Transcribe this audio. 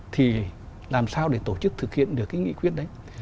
thì làm sao để tổ chức thực hiện được cái nghị quyết đấy